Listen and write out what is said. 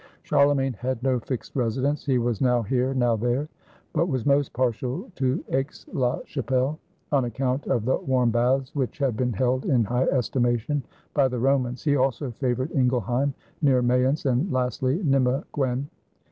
Charlemagne had no fixed residence. He was now here, now there; but was most partial to Aix la Chapelle, on account of the warm baths, which had been held in high estimation by the Romans; he also favored Ingel heim, near Mayence, and lastly Nimeguen.